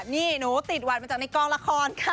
นี่หนูติดหวัดมาจากในกองละครค่ะ